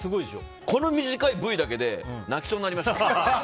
この短いＶだけで泣きそうになりました。